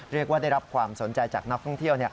เรียกว่าได้รับความสนใจจากนักท่องเที่ยว